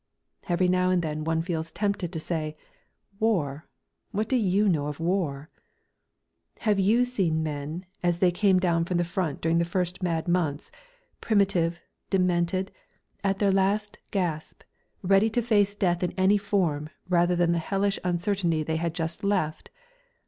Every now and then one feels tempted to say, "War? What do you know of war? "Have you seen men as they came down from the Front during the first mad months, primitive, demented, at their last gasp, ready to face death in any form rather than the hellish uncertainty they had just left?